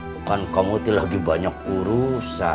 bukan kamu itu lagi banyak urusan